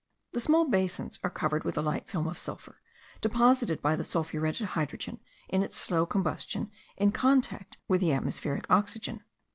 The small basins are covered with a light film of sulphur, deposited by the sulphuretted hydrogen in its slow combustion in contact with the atmospheric oxygen.